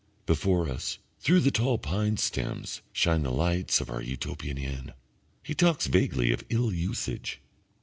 Before us, through the tall pine stems, shine the lights of our Utopian inn. He talks vaguely of ill usage.